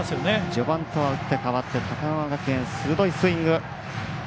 序盤とは打って変わって高川学園、鋭いスイング。